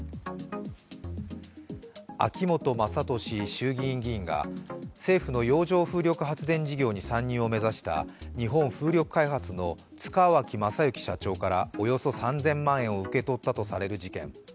秋本真利衆議院議員が政府の洋上風力発電事業に参入を目指した日本風力開発の塚脇正幸社長からおよそ３０００万円を受け取ったとされる事件。